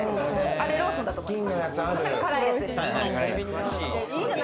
あれ、ローソンだと思います。